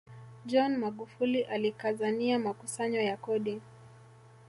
john magufuli alikazania makusanyo ya kodi